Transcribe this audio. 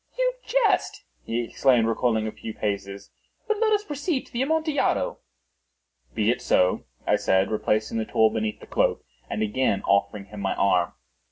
"You jest," he exclaimed, recoiling a few paces. "But let us proceed to the Amontillado." "Be it so," I said, replacing the tool beneath the cloak, and again offering him my arm.